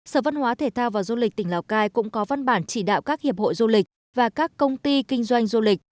sở văn hóa thể thao và du lịch tỉnh lào cai cũng có văn bản chỉ đạo các hiệp hội du lịch và các công ty kinh doanh du lịch